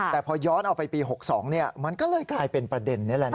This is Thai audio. แต่พอย้อนเอาไปปี๖๒มันก็เลยกลายเป็นประเด็นนี้แหละนะ